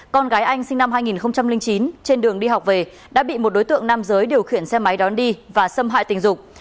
con gái anh sinh năm hai nghìn chín trên đường đi học về đã bị một đối tượng nam giới điều khiển xe máy đón đi và xâm hại tình dục